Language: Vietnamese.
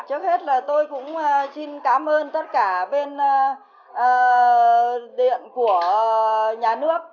trước hết là tôi cũng xin cảm ơn tất cả bên điện của nhà nước